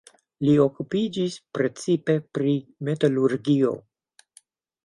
Li okupiĝis precipe pri metalurgio.